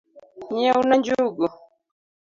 Nyiewna njungu.